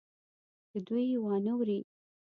چې دوى يې وانه وري.